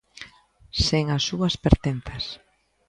Sen as súas pertenzas.